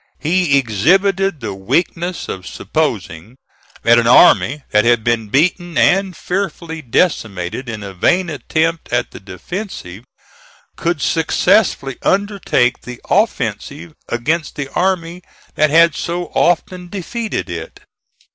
He exhibited the weakness of supposing that an army that had been beaten and fearfully decimated in a vain attempt at the defensive, could successfully undertake the offensive against the army that had so often defeated it.